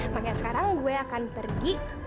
makanya sekarang gue akan pergi